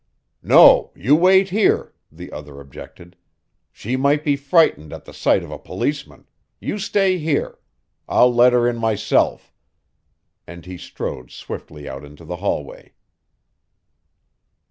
"No, you wait here," the other objected. "She might be frightened at the sight of a policeman you stay here. I'll let her in myself," and he strode swiftly out into the hallway.